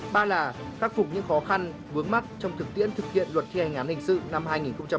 ba là khắc phục những khó khăn vướng mắt trong thực tiễn thực hiện luật thi hành án hình sự năm hai nghìn một mươi